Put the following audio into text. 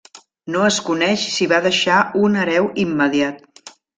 No es coneix si va deixar un hereu immediat.